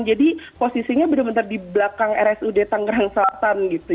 jadi posisinya benar benar di belakang rsud tangerang selatan gitu